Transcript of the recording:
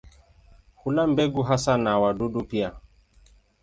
Hula mbegu hasa na wadudu pia.